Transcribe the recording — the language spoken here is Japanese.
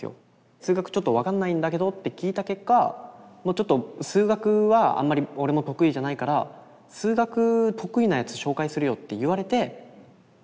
「数学ちょっと分かんないんだけど」って聞いた結果ちょっと「数学はあんまり俺も得意じゃないから「数学得意なやつ紹介するよ」って言われて。